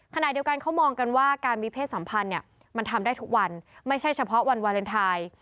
ขณะเดียวกันเขามองกันว่าการมีเพศสัมพันธ์เนี่ยมันทำได้ทุกวันไม่ใช่เฉพาะวันวาเลนไทย